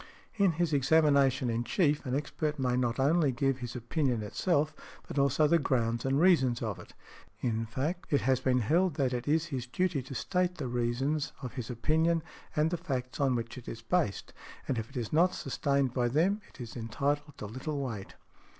In his examination in chief an expert may not only give his opinion itself, but also the grounds and reasons of it; in fact it has been held that it is his duty to state the reasons of his opinion and the facts on which it is based, and if it is not sustained by them it is entitled to little weight .